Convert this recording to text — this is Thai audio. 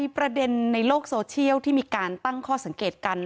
ประเด็นในโลกโซเชียลที่มีการตั้งข้อสังเกตกัน